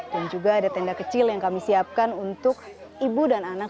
juga ada tenda kecil yang kami siapkan untuk ibu dan anak